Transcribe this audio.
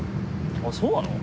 あっそうなの？